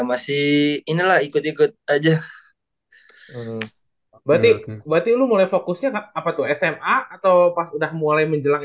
masih inilah ikut ikut aja berarti berarti lu mulai fokusnya apa tuh sma atau pas udah mulai menjelang